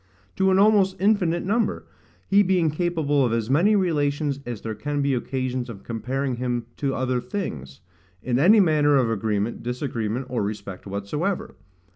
to an almost infinite number: he being capable of as many relations as there can be occasions of comparing him to other things, in any manner of agreement, disagreement, or respect whatsoever.